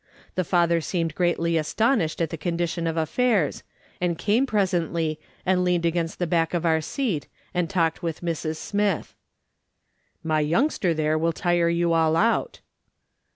The father seemed greatly astonished at the condition of affairs, and came pre sently and leaned against the back of our seat and talked with ]\Irs. Smith. " My youngster there will tire you all out."